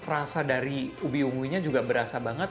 rasa dari ubi ungunya juga berasa banget